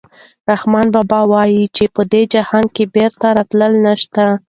رحمان بابا وايي چې دې جهان ته بیا راتلل نشته.